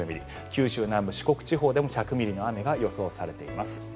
九州南部、四国地方でも１００ミリの雨が予想されています。